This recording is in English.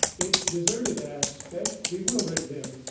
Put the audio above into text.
Its deserted aspect bewildered him